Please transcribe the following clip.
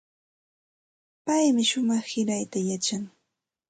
Paymi shumaq sirayta yachan.